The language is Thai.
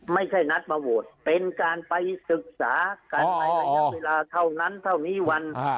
ไม่ใช่นัดมาโหวตเป็นการไปศึกษากันในระยะเวลาเท่านั้นเท่านี้วัน